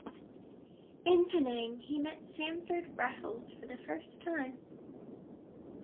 In Penang he met Stamford Raffles for the first time.